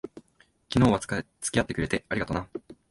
昨日は付き合ってくれて、ありがとな。